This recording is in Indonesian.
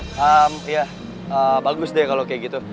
ehm ya bagus deh kalo kayak gitu